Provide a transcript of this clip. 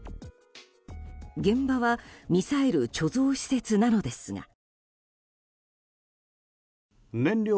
現場はミサイル貯蔵施設なのですが。